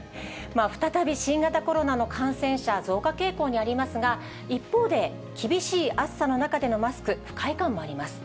再び新型コロナの感染者、増加傾向にありますが、一方で、厳しい暑さの中でのマスク、不快感もあります。